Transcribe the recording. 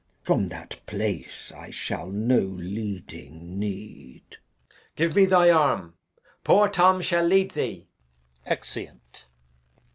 From that place I shall no leading need. Edg. Give me thy arm. Poor Tom shall lead thee. Exeunt.